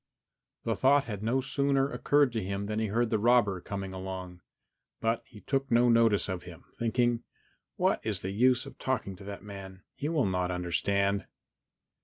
The thought had no sooner occurred to him than he heard the robber come along, but he took no notice of him, thinking, "What is the use of talking to that man? He will not understand."